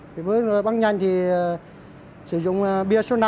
với nội dung bắn nhanh thì sử dụng bia số năm